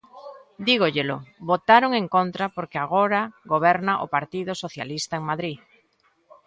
Dígollelo: votaron en contra porque agora goberna o Partido Socialista en Madrid.